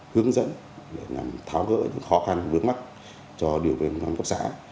hướng dẫn để làm tháo gỡ những khó khăn vướng mắt cho điều viên quân cấp xã